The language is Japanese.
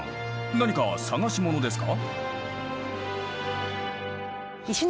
何か探し物ですか？